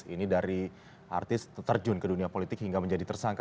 ini dari artis terjun ke dunia politik hingga menjadi tersangka